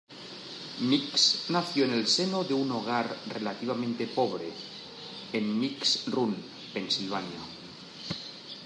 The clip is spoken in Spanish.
Mix nació en el seno de un hogar relativamente pobre, en Mix Run, Pensilvania.